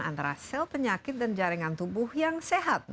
antara sel penyakit dan jaringan tubuh yang sehat